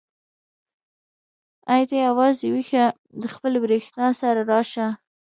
ای ته یوازې ويښه د خپلې برېښنا سره راشه.